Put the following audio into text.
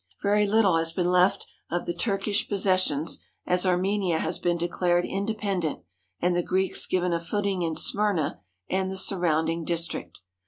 Very little has been left of the Turkish possessions, as Armenia has been declared independent, and the Greeks given a footing in Smyrna and the surrounding district.